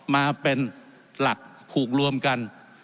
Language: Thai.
มาเป็นหลักผูกรวมกัน